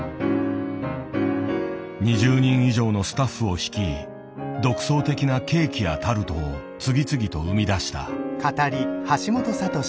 ２０人以上のスタッフを率い独創的なケーキやタルトを次々と生み出した。